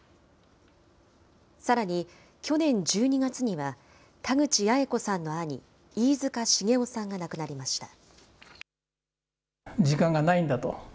さらに、去年１２月には、田口八重子さんの兄、飯塚繁雄さんが亡くなりました。